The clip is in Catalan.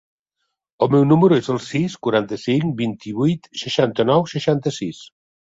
El meu número es el sis, quaranta-cinc, vint-i-vuit, seixanta-nou, seixanta-sis.